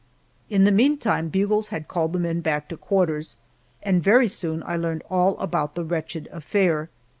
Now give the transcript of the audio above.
In the meantime, bugles had called the men back to quarters, and very soon I learned all about the wretched affair.